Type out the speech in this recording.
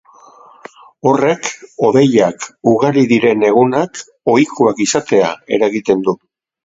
Horrek hodeiak ugari diren egunak ohikoak izatea eragiten du.